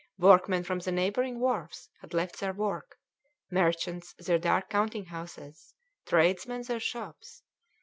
Workmen from the neighbouring wharfs had left their work, merchants their dark counting houses, tradesmen their shops.